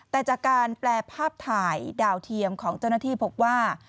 แต่จากการแปลภาพถ่ายดาวเทียมของเจ้าหน้าที่พบว่า